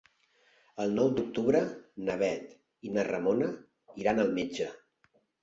El nou d'octubre na Bet i na Ramona iran al metge.